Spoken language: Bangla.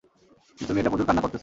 কিন্তু মেয়েটা প্রচুর কান্না করতেছে।